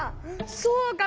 そうか。